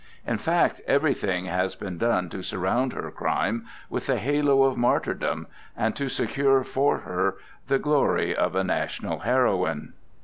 In fact everything has been done to surround her crime with the halo of martyrdom, and to secure for her the glory of a national heroine.